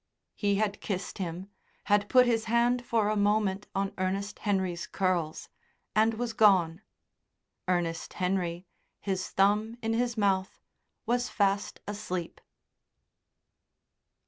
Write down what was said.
He had kissed him, had put his hand for a moment on Ernest Henry's curls, and was gone. Ernest Henry, his thumb in his mouth, was fast asleep.